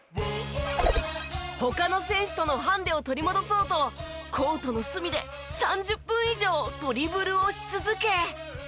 他の選手とのハンデを取り戻そうとコートの隅で３０分以上ドリブルをし続け。